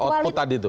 output tadi itu